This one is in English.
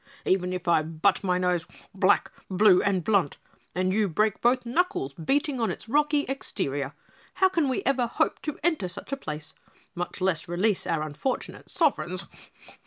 Even if I butt my nose black, blue and blunt, and you break both knuckles beating on its rocky exterior, how can we ever hope to enter such a place, much less release our unfortunate sovereigns?